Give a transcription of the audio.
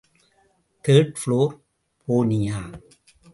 Third floor போனியா?